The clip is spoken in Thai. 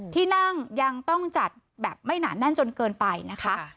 ที่นั่งยังต้องจัดแบบไม่หนาแน่นจนเกินไปนะคะ